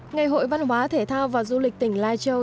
ngày hội văn hóa thể thao và du lịch tỉnh lai châu